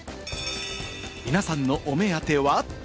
皆さんのお目当ては。